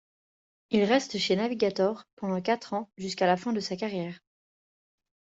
Il reste chez Navigators pendant quatre ans jusqu'à la fin de sa carrière.